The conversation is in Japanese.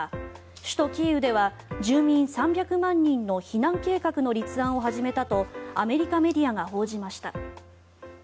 首都キーウでは住民３００万人の避難計画の立案を始めたとアメリカメディアが報じました。